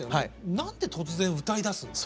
何で突然歌いだすんだと。